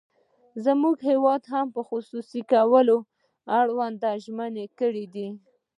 زموږ هېواد هم د خصوصي کولو اړوند ژمنې کړې دي.